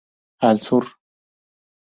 Al Sur.